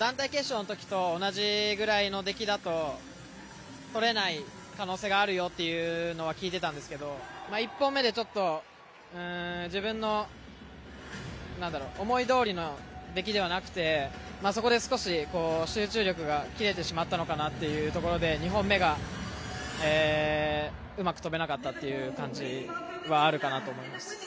団体決勝の時と同じぐらいの出来だととれない可能性があるよというのは聞いていたんですが１本目で、ちょっと自分の思いどおりの出来ではなくてそこで少し集中力が切れてしまったのかなというところで２本目がうまく跳べなかったという感じはあるかなと思います。